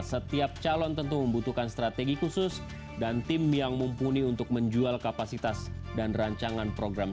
setiap calon tentu membutuhkan strategi khusus dan tim yang mumpuni untuk menjual kapasitas dan rancangan program